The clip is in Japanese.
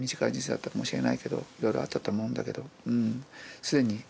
いろいろあったと思うんだけど。